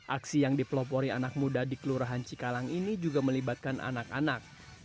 aksi yang dipelopori anak muda di kelurahan cikalang ini juga melibatkan anak anak